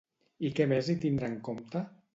I què més hi tindrà en compte?